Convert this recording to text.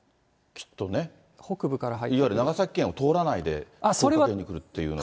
いわゆる長崎県を通らないで福岡県に来るというのは。